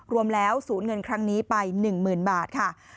รวมแล้วศูนย์เงินครั้งนี้ไป๑๐๐๐บาทค่ะ